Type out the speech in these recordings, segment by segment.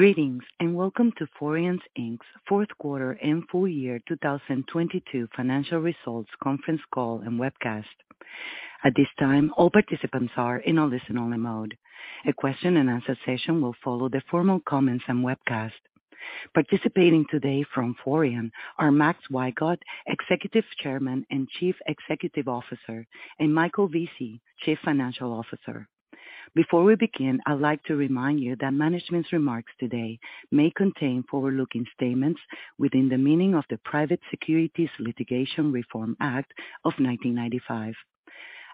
Greetings, welcome to Forian Inc.'s fourth quarter and full year 2022 financial results conference call and webcast. At this time, all participants are in a listen-only mode. A question-and-answer session will follow the formal comments and webcast. Participating today from Forian are Max Wygod, Executive Chairman and Chief Executive Officer, and Michael Vesey, Chief Financial Officer. Before we begin, I'd like to remind you that management's remarks today may contain forward-looking statements within the meaning of the Private Securities Litigation Reform Act of 1995.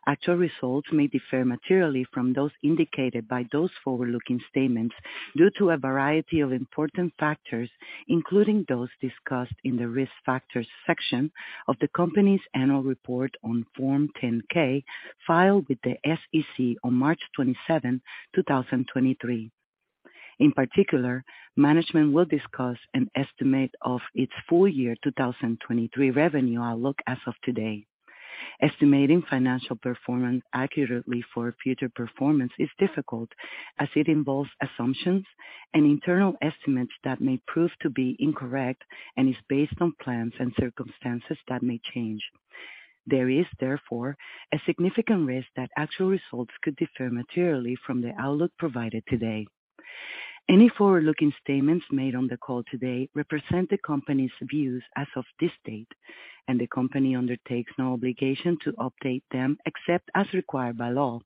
Actual results may differ materially from those indicated by those forward-looking statements due to a variety of important factors, including those discussed in the Risk Factors section of the company's Annual Report on Form 10-K, filed with the SEC on March 27th, 2023. In particular, management will discuss an estimate of its full year 2023 revenue outlook as of today. Estimating financial performance accurately for future performance is difficult as it involves assumptions and internal estimates that may prove to be incorrect and is based on plans and circumstances that may change. There is, therefore, a significant risk that actual results could differ materially from the outlook provided today. Any forward-looking statements made on the call today represent the company's views as of this date, and the company undertakes no obligation to update them except as required by law.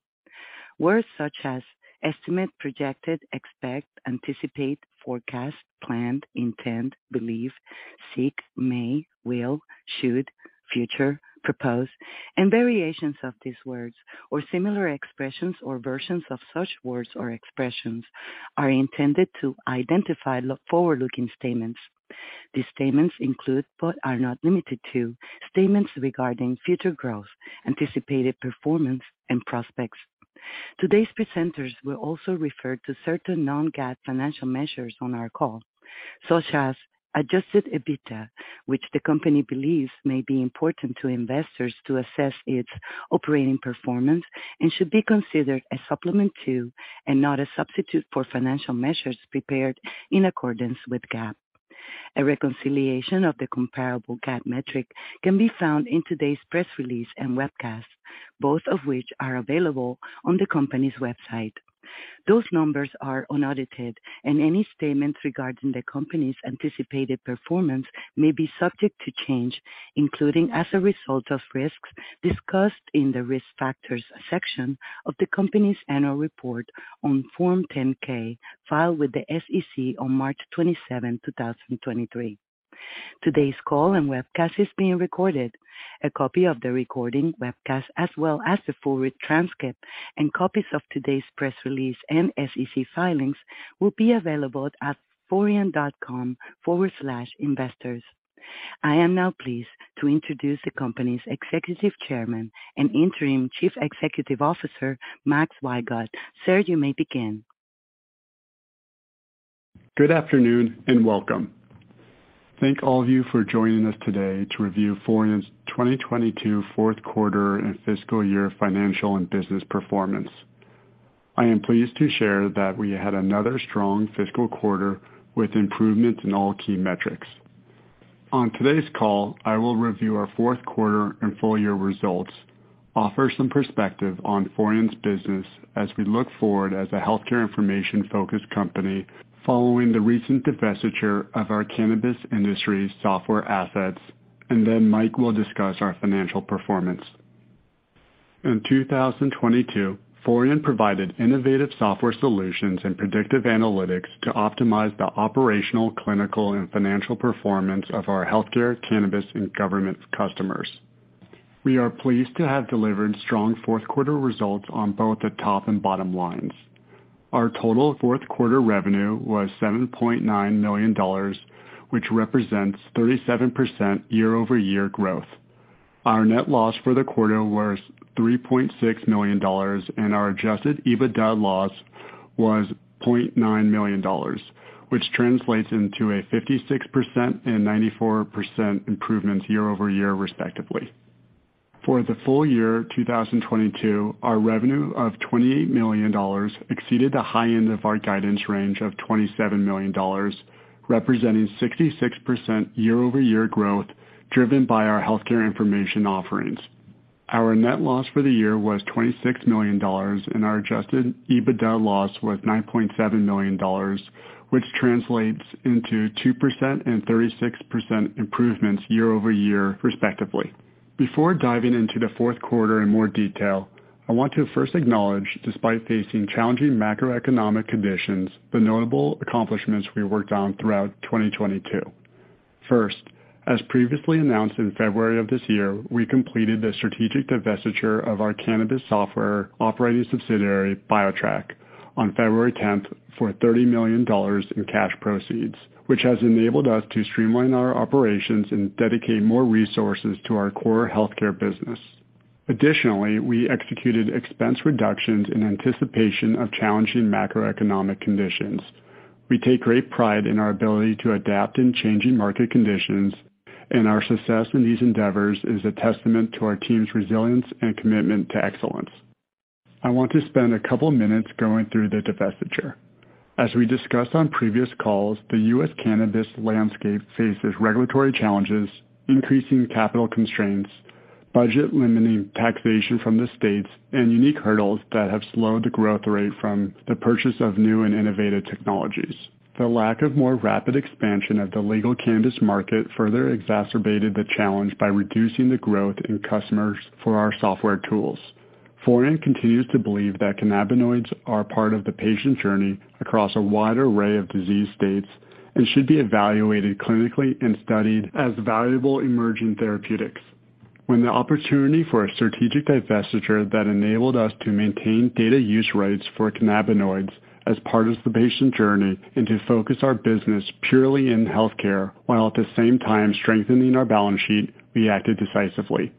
Words such as estimate, projected, expect, anticipate, forecast, planned, intend, believe, seek, may, will, should, future, propose, and variations of these words or similar expressions or versions of such words or expressions are intended to identify forward-looking statements. These statements include, but are not limited to, statements regarding future growth, anticipated performance, and prospects. Today's presenters will also refer to certain non-GAAP financial measures on our call, such as Adjusted EBITDA, which the company believes may be important to investors to assess its operating performance and should be considered as supplement to, and not a substitute for, financial measures prepared in accordance with GAAP. A reconciliation of the comparable GAAP metric can be found in today's press release and webcast, both of which are available on the company's website. Those numbers are unaudited and any statements regarding the company's anticipated performance may be subject to change, including as a result of risks discussed in the Risk Factors section of the company's annual report on Form 10-K filed with the SEC on March 27th, 2023. Today's call and webcast is being recorded. A copy of the recording webcast, as well as the full transcript and copies of today's press release and SEC filings will be available at forian.com/investors. I am now pleased to introduce the company's Executive Chairman and Interim Chief Executive Officer, Max Wygod. Sir, you may begin. Good afternoon and welcome. Thank all of you for joining us today to review Forian's 2022 fourth quarter and fiscal year financial and business performance. I am pleased to share that we had another strong fiscal quarter with improvement in all key metrics. On today's call, I will review our fourth quarter and full year results, offer some perspective on Forian's business as we look forward as a healthcare information-focused company following the recent divestiture of our cannabis industry software assets, and then Mike will discuss our financial performance. In 2022, Forian provided innovative software solutions and predictive analytics to optimize the operational, clinical, and financial performance of our healthcare, cannabis, and government customers. We are pleased to have delivered strong fourth quarter results on both the top and bottom lines. Our total fourth quarter revenue was $7.9 million, which represents 37% year-over-year growth. Our net loss for the quarter was $3.6 million, and our Adjusted EBITDA loss was $0.9 million, which translates into a 56% and 94% improvements year-over-year, respectively. For the full year 2022, our revenue of $28 million exceeded the high end of our guidance range of $27 million, representing 66% year-over-year growth driven by our healthcare information offerings. Our net loss for the year was $26 million, and our Adjusted EBITDA loss was $9.7 million, which translates into 2% and 36% improvements year-over-year, respectively. Before diving into the fourth quarter in more detail, I want to first acknowledge, despite facing challenging macroeconomic conditions, the notable accomplishments we worked on throughout 2022. As previously announced in February of this year, we completed the strategic divestiture of our cannabis software operating subsidiary, BioTrack, on February 10th for $30 million in cash proceeds, which has enabled us to streamline our operations and dedicate more resources to our core healthcare business. We executed expense reductions in anticipation of challenging macroeconomic conditions. We take great pride in our ability to adapt in changing market conditions, our success in these endeavors is a testament to our team's resilience and commitment to excellence. I want to spend a couple minutes going through the divestiture. As we discussed on previous calls, the U.S. cannabis landscape faces regulatory challenges, increasing capital constraints, budget-limiting taxation from the states, unique hurdles that have slowed the growth rate from the purchase of new and innovative technologies. The lack of more rapid expansion of the legal cannabis market further exacerbated the challenge by reducing the growth in customers for our software tools. Forian continues to believe that cannabinoids are part of the patient journey across a wide array of disease states and should be evaluated clinically and studied as valuable emerging therapeutics. When the opportunity for a strategic divestiture that enabled us to maintain data use rights for cannabinoids as part of the patient journey and to focus our business purely in healthcare while at the same time strengthening our balance sheet, we acted decisively.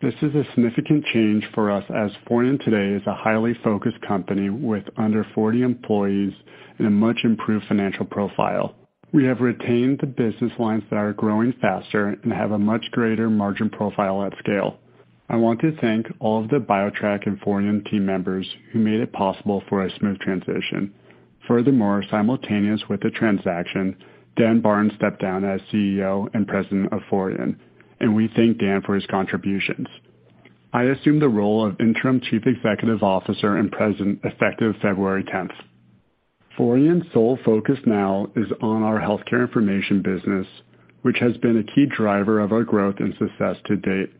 This is a significant change for us as Forian today is a highly focused company with under 40 employees and a much-improved financial profile. We have retained the business lines that are growing faster and have a much greater margin profile at scale. I want to thank all of the BioTrack and Forian team members who made it possible for a smooth transition. Furthermore, simultaneous with the transaction, Daniel Barton stepped down as CEO and President of Forian, and we thank Dan for his contributions. I assume the role of Interim Chief Executive Officer and President, effective February 10th. Forian's sole focus now is on our healthcare information business, which has been a key driver of our growth and success to date.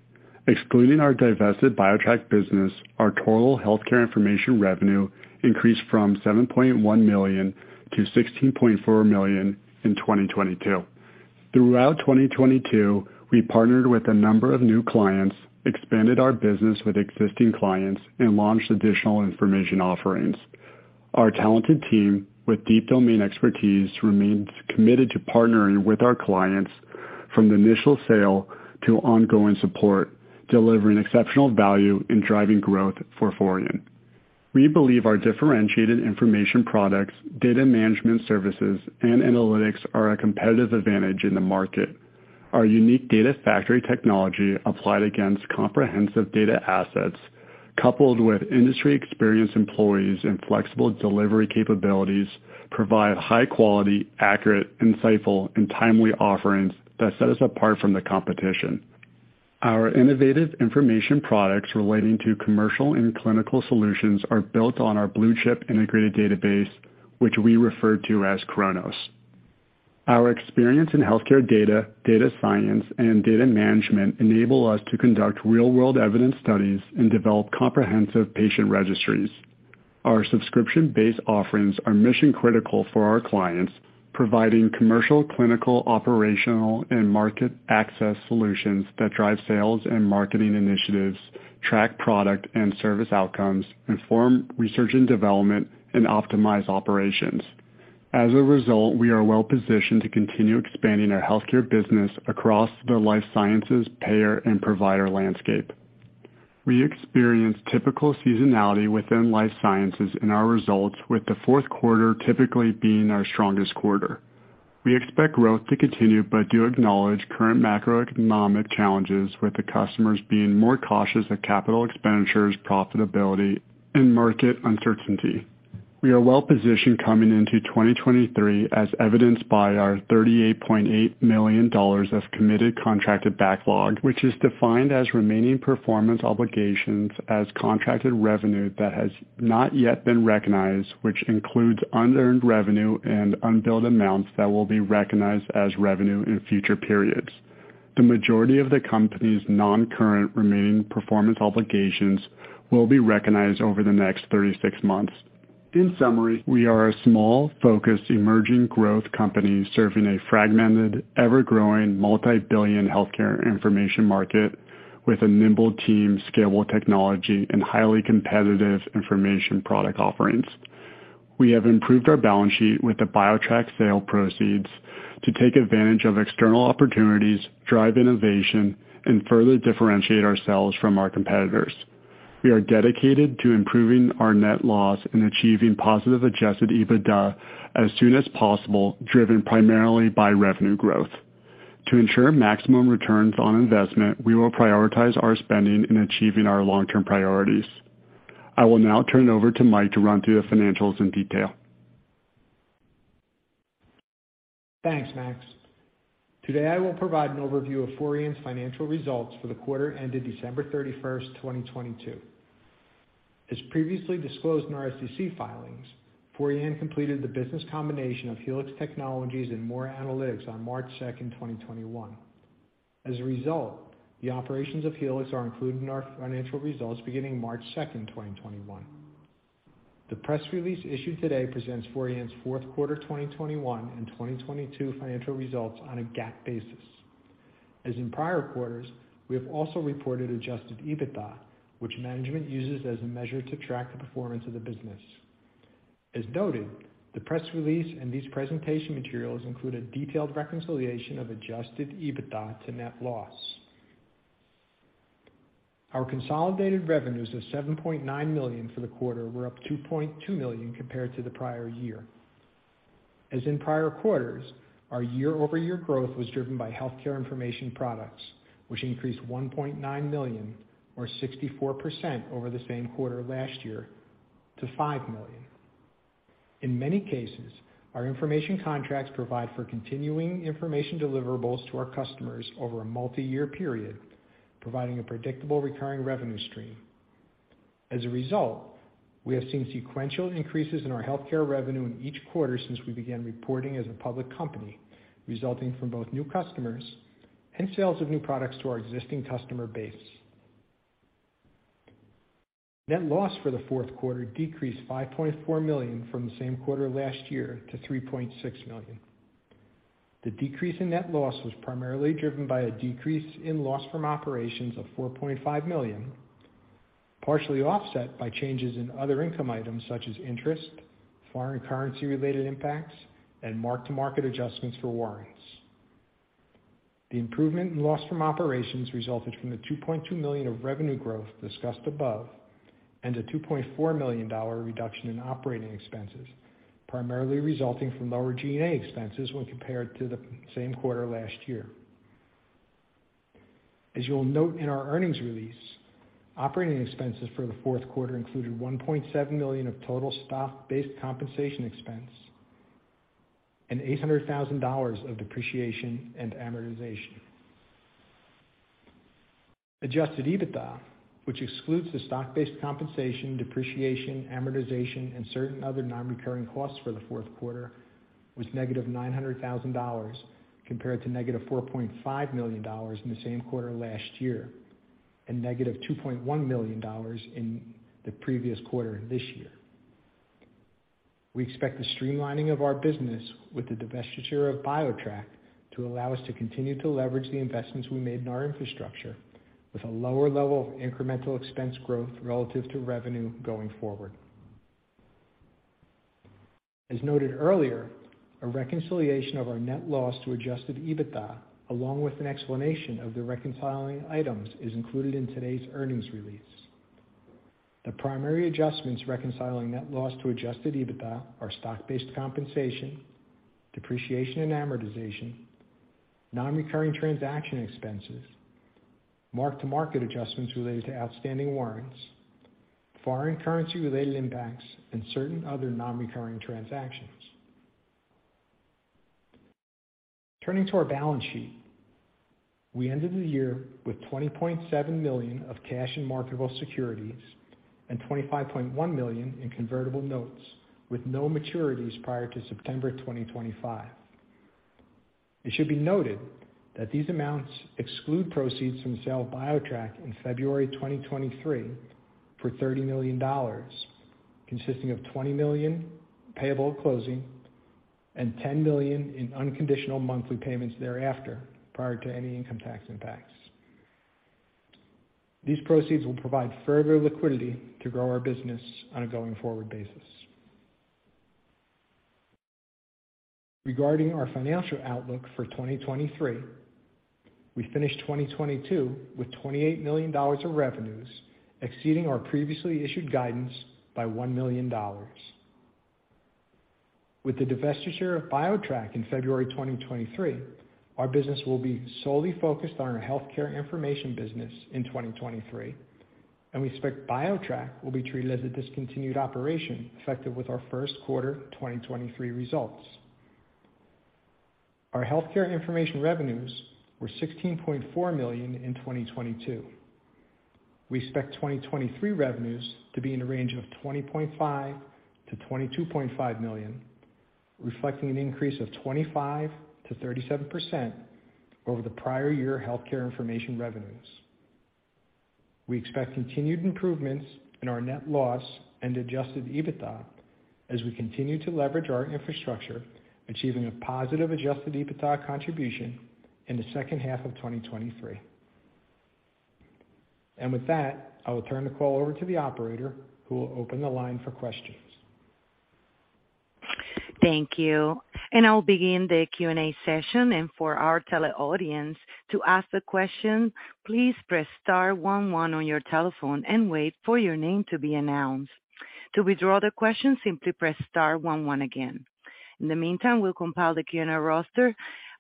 Excluding our divested BioTrack business, our total healthcare information revenue increased from $7.1 million-$16.4 million in 2022. Throughout 2022, we partnered with a number of new clients, expanded our business with existing clients, and launched additional information offerings. Our talented team with deep domain expertise remains committed to partnering with our clients from the initial sale to ongoing support, delivering exceptional value in driving growth for Forian. We believe our differentiated information products, data management services, and analytics are a competitive advantage in the market. Our unique Data Factory technology applied against comprehensive data assets, coupled with industry experienced employees and flexible delivery capabilities, provide high quality, accurate, insightful, and timely offerings that set us apart from the competition. Our innovative information products relating to commercial and clinical solutions are built on our Blueshift integrated database, which we refer to as CHRONOS. Our experience in healthcare data science, and data management enable us to conduct real-world evidence studies and develop comprehensive patient registries. Our subscription-based offerings are mission-critical for our clients, providing commercial, clinical, operational, and market access solutions that drive sales and marketing initiatives, track product and service outcomes, inform research and development, and optimize operations. We are well-positioned to continue expanding our healthcare business across the life sciences payer and provider landscape. We experience typical seasonality within life sciences in our results, with the fourth quarter typically being our strongest quarter. We expect growth to continue, do acknowledge current macroeconomic challenges with the customers being more cautious of capital expenditures, profitability, and market uncertainty. We are well-positioned coming into 2023 as evidenced by our $38.8 million of committed contracted backlog, which is defined as remaining performance obligations as contracted revenue that has not yet been recognized, which includes unearned revenue and unbilled amounts that will be recognized as revenue in future periods. The majority of the company's non-current remaining performance obligations will be recognized over the next 36 months. In summary, we are a small, focused, emerging growth company serving a fragmented, ever-growing, multi-billion healthcare information market with a nimble team, scalable technology, and highly competitive information product offerings. We have improved our balance sheet with the BioTrack sale proceeds to take advantage of external opportunities, drive innovation, and further differentiate ourselves from our competitors. We are dedicated to improving our net loss and achieving positive Adjusted EBITDA as soon as possible, driven primarily by revenue growth. To ensure maximum returns on investment, we will prioritize our spending in achieving our long-term priorities. I will now turn it over to Mike to run through the financials in detail. Thanks, Max. Today, I will provide an overview of Forian's financial results for the quarter ended December 31st, 2022. As previously disclosed in our SEC filings, Forian completed the business combination of Helix Technologies and MOR Analytics on March 2nd, 2021. As a result, the operations of Helix are included in our financial results beginning March 2nd, 2021. The press release issued today presents Forian's fourth quarter 2021 and 2022 financial results on a GAAP basis. As in prior quarters, we have also reported Adjusted EBITDA, which management uses as a measure to track the performance of the business. As noted, the press release and these presentation materials include a detailed reconciliation of Adjusted EBITDA to net loss. Our consolidated revenues of $7.9 million for the quarter were up $2.2 million compared to the prior year. As in prior quarters, our year-over-year growth was driven by healthcare information products, which increased $1.9 million or 64% over the same quarter last year to $5 million. In many cases, our information contracts provide for continuing information deliverables to our customers over a multi-year period, providing a predictable recurring revenue stream. We have seen sequential increases in our healthcare revenue in each quarter since we began reporting as a public company, resulting from both new customers and sales of new products to our existing customer base. Net loss for the fourth quarter decreased $5.4 million from the same quarter last year to $3.6 million. The decrease in net loss was primarily driven by a decrease in loss from operations of $4.5 million, partially offset by changes in other income items such as interest, foreign currency-related impacts, and mark-to-market adjustments for warrants. The improvement in loss from operations resulted from the $2.2 million of revenue growth discussed above and a $2.4 million reduction in operating expenses, primarily resulting from lower G&A expenses when compared to the same quarter last year. As you'll note in our earnings release, operating expenses for the fourth quarter included $1.7 million of total stock-based compensation expense and $800,000 of depreciation and amortization. Adjusted EBITDA, which excludes the stock-based compensation, depreciation, amortization, and certain other non-recurring costs for the fourth quarter, was -$900,000 compared to -$4.5 million in the same quarter last year, and -$2.1 million in the previous quarter this year. We expect the streamlining of our business with the divestiture of BioTrack to allow us to continue to leverage the investments we made in our infrastructure with a lower level of incremental expense growth relative to revenue going forward. As noted earlier, a reconciliation of our net loss to Adjusted EBITDA, along with an explanation of the reconciling items, is included in today's earnings release. The primary adjustments reconciling net loss to Adjusted EBITDA are stock-based compensation, depreciation and amortization, non-recurring transaction expenses, mark-to-market adjustments related to outstanding warrants, foreign currency-related impacts, and certain other non-recurring transactions. Turning to our balance sheet. We ended the year with $20.7 million of cash and marketable securities and $25.1 million in convertible notes, with no maturities prior to September 2025. It should be noted that these amounts exclude proceeds from the sale of BioTrack in February 2023 for $30 million, consisting of $20 million payable at closing and $10 million in unconditional monthly payments thereafter, prior to any income tax impacts. These proceeds will provide further liquidity to grow our business on a going-forward basis. Regarding our financial outlook for 2023, we finished 2022 with $28 million of revenues, exceeding our previously issued guidance by $1 million. With the divestiture of BioTrack in February 2023, our business will be solely focused on our healthcare information business in 2023. We expect BioTrack will be treated as a discontinued operation effective with our first quarter 2023 results. Our healthcare information revenues were $16.4 million in 2022. We expect 2023 revenues to be in a range of $20.5 million-$22.5 million, reflecting an increase of 25%-37% over the prior year healthcare information revenues. We expect continued improvements in our net loss and Adjusted EBITDA as we continue to leverage our infrastructure, achieving a positive Adjusted EBITDA contribution in the second half of 2023. With that, I will turn the call over to the operator who will open the line for questions. Thank you. I'll begin the Q&A session. For our teleaudience, to ask the question, please press star one one on your telephone and wait for your name to be announced. To withdraw the question, simply press star one one again. In the meantime, we'll compile the Q&A roster.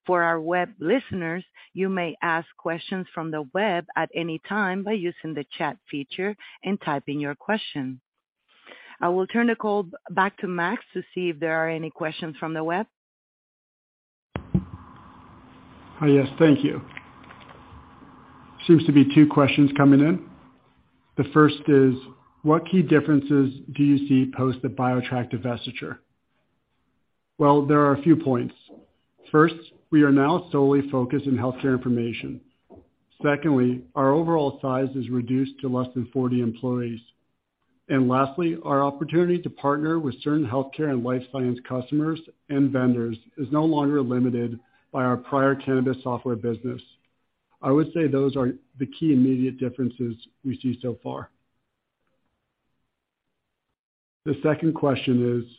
For our web listeners, you may ask questions from the web at any time by using the chat feature and typing your question. I will turn the call back to Max to see if there are any questions from the web. Hi. Yes, thank you. Seems to be two questions coming in. The first is, what key differences do you see post the BioTrack divestiture? Well, there are a few points. First, we are now solely focused on healthcare information. Secondly, our overall size is reduced to less than 40 employees. Lastly, our opportunity to partner with certain healthcare and life science customers and vendors is no longer limited by our prior cannabis software business. I would say those are the key immediate differences we see so far. The second question is,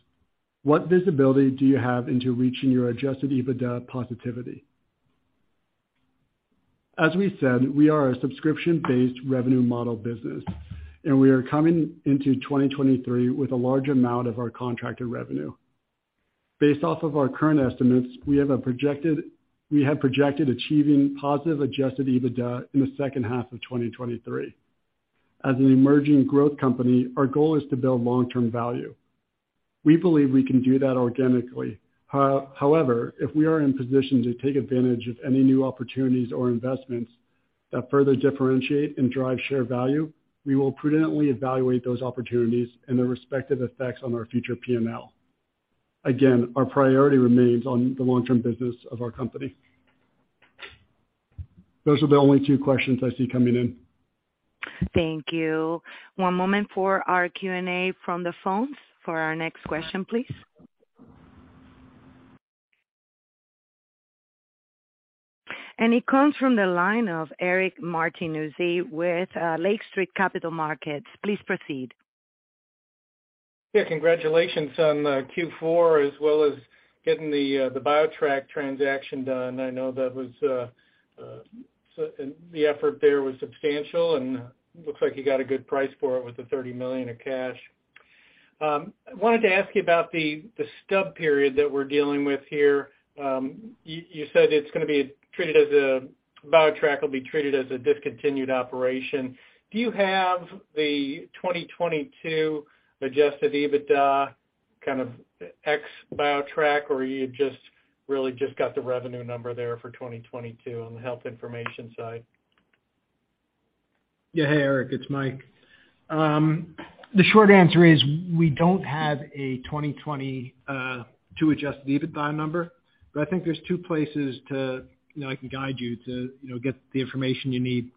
what visibility do you have into reaching your Adjusted EBITDA positivity? As we said, we are a subscription-based revenue model business. We are coming into 2023 with a large amount of our contracted revenue. Based off of our current estimates, we have projected achieving positive Adjusted EBITDA in the second half of 2023. As an emerging growth company, our goal is to build long-term value. We believe we can do that organically. However, if we are in position to take advantage of any new opportunities or investments that further differentiate and drive share value, we will prudently evaluate those opportunities and their respective effects on our future P&L. Again, our priority remains on the long-term business of our company. Those are the only two questions I see coming in. Thank you. One moment for our Q&A from the phones for our next question, please. It comes from the line of Eric Martinuzzi with Lake Street Capital Markets. Please proceed. Congratulations on Q4, as well as getting the BioTrack transaction done. I know that was The effort there was substantial, and looks like you got a good price for it with the $30 million in cash. I wanted to ask you about the stub period that we're dealing with here. BioTrack will be treated as a discontinued operation. Do you have the 2022 Adjusted EBITDA kind of ex BioTrack, or you just got the revenue number there for 2022 on the health information side? Hey, Eric, it's Mike. The short answer is we don't have a 2022 Adjusted EBITDA number, but I think there's two places to, you know, I can guide you to, you know, get the information you need.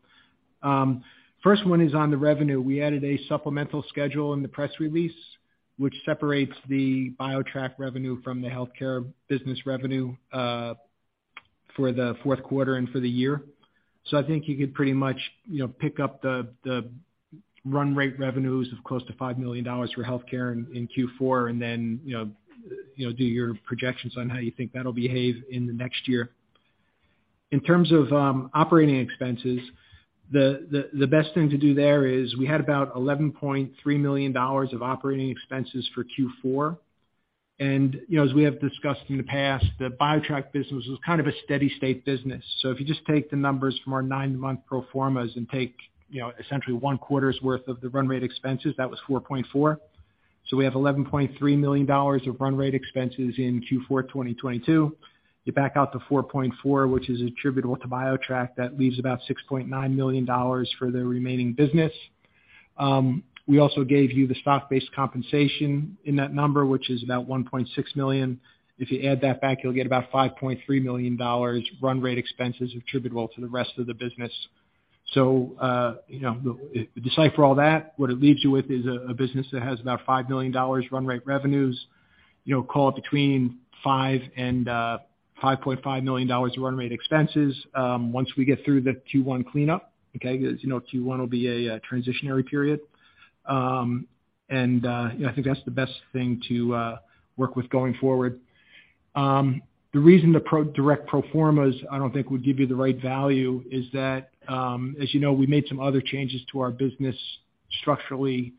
First one is on the revenue. We added a supplemental schedule in the press release, which separates the BioTrack revenue from the healthcare business revenue for the fourth quarter and for the year. I think you could pretty much, you know, pick up the run rate revenues of close to $5 million for healthcare in Q4 and then, you know, do your projections on how you think that'll behave in the next year. In terms of operating expenses, the, the best thing to do there is we had about $11.3 million of operating expenses for Q4. You know, as we have discussed in the past, the BioTrack business was kind of a steady state business. If you just take the numbers from our nine-month pro formas and take, you know, essentially one quarter's worth of the run rate expenses, that was $4.4. We have $11.3 million of run rate expenses in Q4 2022. You back out the $4.4, which is attributable to BioTrack, that leaves about $6.9 million for the remaining business. We also gave you the stock-based compensation in that number, which is about $1.6 million. If you add that back, you'll get about $5.3 million run rate expenses attributable to the rest of the business. You know, decipher all that, what it leaves you with is a business that has about $5 million run rate revenues, you know, call it between $5 million and $5.5 million run rate expenses, once we get through the Q1 cleanup, okay, 'cause, you know, Q1 will be a transitionary period. You know, I think that's the best thing to work with going forward. The reason the direct pro formas I don't think would give you the right value is that, as you know, we made some other changes to our business structurally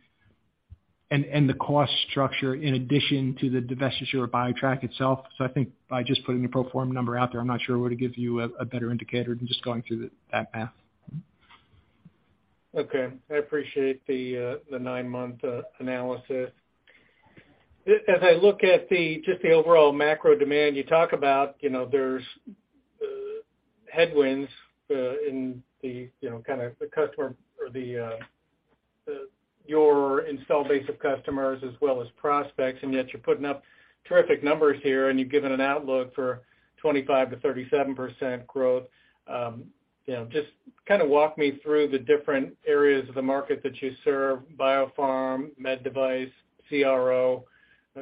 and the cost structure in addition to the divestiture of BioTrack itself. I think by just putting the pro forma number out there, I'm not sure it would give you a better indicator than just going through that path. Okay. I appreciate the nine-month analysis. As I look at the, just the overall macro demand you talk about, you know, there's headwinds in the, you know, kind of the customer or your install base of customers as well as prospects, and yet you're putting up terrific numbers here, and you've given an outlook for 25%-37% growth. You know, just kind of walk me through the different areas of the market that you serve, biopharm, med device, CRO.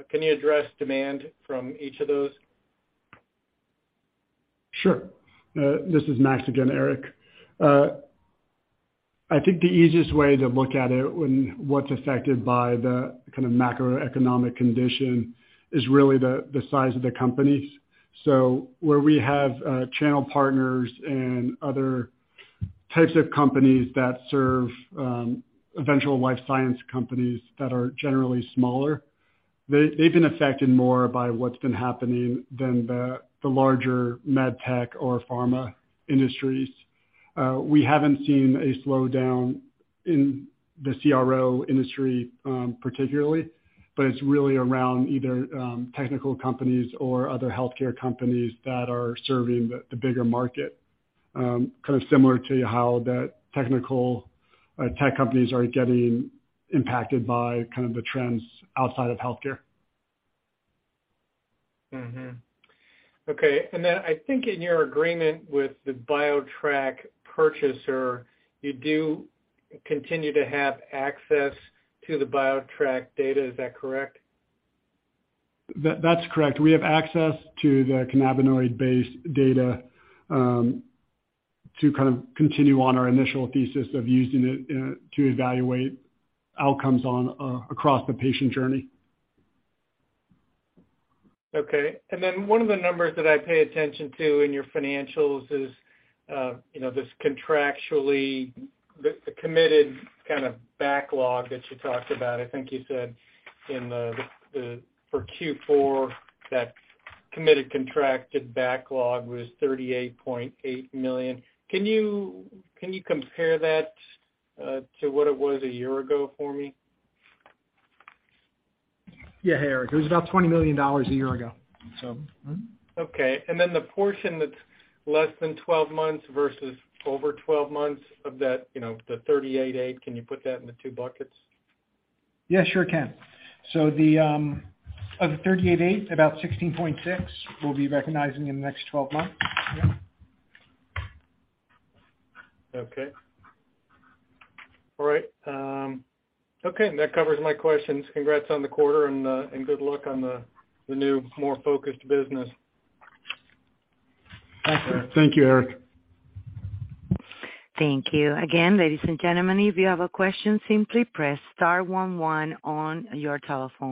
Can you address demand from each of those? Sure. This is Max again, Eric. I think the easiest way to look at it when what's affected by the kind of macroeconomic condition is really the size of the companies. Where we have, channel partners and other types of companies that serve, eventual life science companies that are generally smaller, they've been affected more by what's been happening than the larger medtech or pharma industries. We haven't seen a slowdown in the CRO industry, particularly, but it's really around either, technical companies or other healthcare companies that are serving the bigger market, kind of similar to how the technical, tech companies are getting impacted by kind of the trends outside of healthcare. Okay. Then I think in your agreement with the BioTrack purchaser, you do continue to have access to the BioTrack data, is that correct? That's correct. We have access to the cannabinoid-based data, to kind of continue on our initial thesis of using it, to evaluate outcomes on across the patient journey. Okay. One of the numbers that I pay attention to in your financials is, you know, this contractually, the committed kind of backlog that you talked about. I think you said in the for Q4, that committed contracted backlog was $38.8 million. Can you compare that to what it was a year ago for me? Yeah. Hey, Eric. It was about $20 million a year ago, so. Okay. Then the portion that's less than 12 months versus over 12 months of that, you know, the $38.8, can you put that in the two buckets? Yeah, sure can. Of the $38.8, about $16.6 we'll be recognizing in the next 12 months. Yeah. Okay. All right. Okay, and that covers my questions. Congrats on the quarter and good luck on the new, more focused business. Thank you, Eric. Thank you. Again, ladies and gentlemen, if you have a question, simply press star one one on your telephone.